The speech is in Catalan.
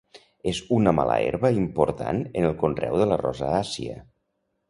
És una mala herba important en el conreu de l'arròs a Àsia.